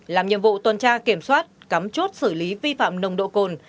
làm nhiệm vụ tuần tra kiểm soát cắm chốt xử lý vi phạm nồng độ cồn